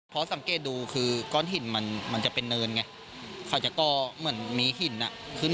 แต่ก็ไม่ได้ส่งสัญญาณมาก้อน